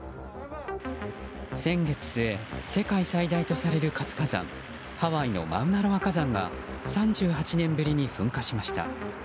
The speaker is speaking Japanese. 先月末、世界最大とされる活火山ハワイのマウナロア火山が３８年ぶりに噴火しました。